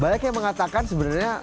banyak yang mengatakan sebenarnya